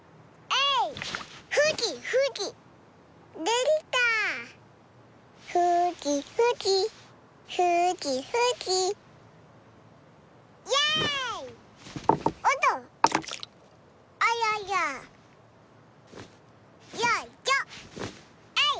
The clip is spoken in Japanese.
えい！